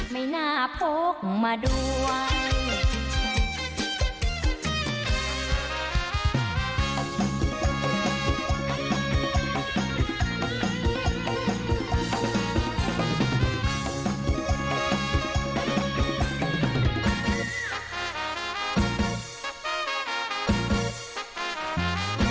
ไม่น่าพกมาด้วย